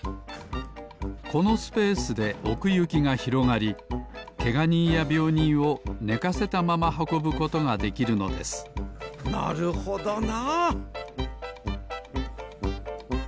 このスペースでおくゆきがひろがりけがにんやびょうにんをねかせたままはこぶことができるのですなるほどな。